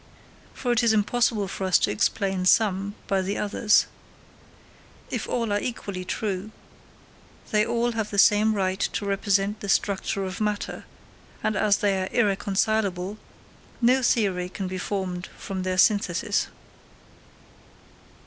For it is impossible for us to explain some by the others. If all are equally true, they all have the same right to represent the structure of matter, and, as they are irreconcilable, no theory can be formed from their synthesis.